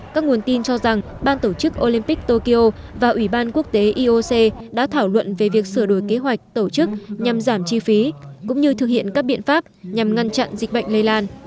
các nguồn tin cho rằng ban tổ chức olympic tokyo và ủy ban quốc tế ioc đã thảo luận về việc sửa đổi kế hoạch tổ chức nhằm giảm chi phí cũng như thực hiện các biện pháp nhằm ngăn chặn dịch bệnh lây lan